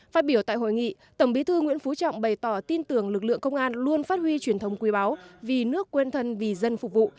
phát biểu tại hội nghị tổng bí thư nguyễn phú trọng bày tỏ tin tưởng lực lượng công an luôn phát huy truyền thống quý báu vì nước quên thân vì dân phục vụ